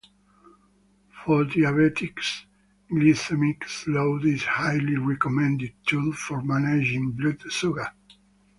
For diabetics, glycemic load is a highly recommended tool for managing blood sugar.